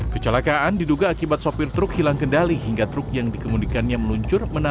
kecelakaan diduga akibat sopir truk hilang kendali hingga truk yang dikemudikannya meluncur